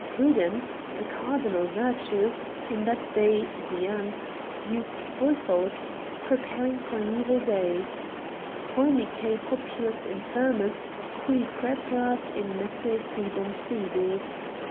prudence — a cardinal virtue — in that they (the ants) used forethought, preparing for an evil day :* Formicae populus infirmus, qui praeparat in messe cibum sibi' (Prov.